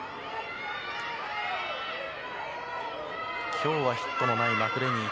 今日はヒットのないマクレニー。